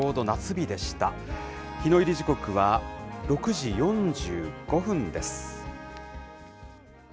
日の入り時刻は６時４５分です。